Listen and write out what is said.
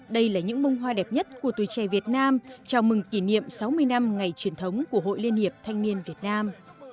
đây là những bông hoa đẹp nhất của tuổi trẻ việt nam chào mừng kỷ niệm sáu mươi năm ngày truyền thống của hội liên hiệp thanh niên việt nam